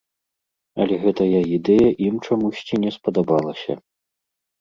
Але гэтая ідэя ім чамусьці не спадабалася.